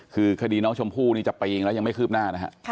คือคดีน้องชมพู่นี่จะไปเองแล้วยังไม่คืบหน้านะฮะ